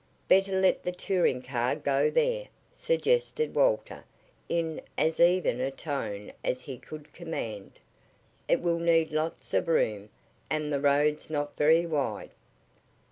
"Better let the touring car go there," suggested Walter in as even a tone as he could command. "It will need lots of room, and the road's not very wide."